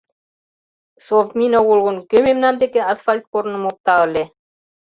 Совмин огыл гын, кӧ мемнан деке асфальт корным опта ыле?